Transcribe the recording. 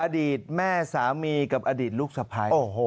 อดีตแม่สามีกับอดีตลูกสะพ้าย